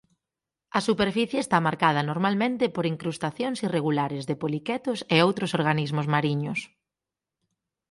A superficie está marcada normalmente por incrustacións irregulares de poliquetos e outros organismos mariños.